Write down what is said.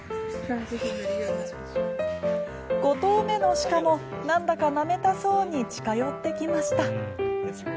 ５頭目の鹿もなんだか、なめたそうに近寄ってきました。